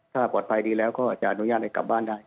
ถ้าปลอดภัยดีแล้วก็จะอนุญาตให้กลับบ้านได้